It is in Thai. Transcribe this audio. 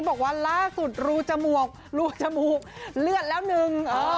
บอกว่าล่าสุดรูจมูกรูจมูกเลือดแล้วหนึ่ง